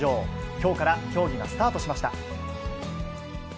きょうから競技がスタートしました。